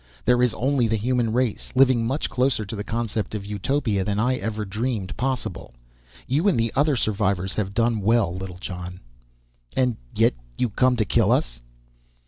There is only the human race, living much closer to the concept of Utopia than I ever dreamed possible. You and the other survivors have done well, Littlejohn." "And yet you come to kill us."